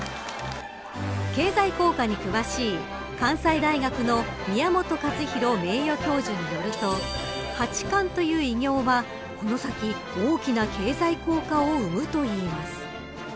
経済効果に詳しい関西大学の宮本勝浩名誉教授によると八冠という偉業はこの先、大きな経済効果を生むといいます。